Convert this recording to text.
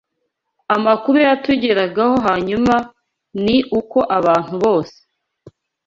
Amakuru yatugeragaho hanyuma ni uko abantu bose